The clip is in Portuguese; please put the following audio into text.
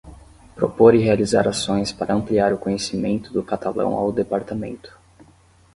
Propor e realizar ações para ampliar o conhecimento do catalão ao Departamento.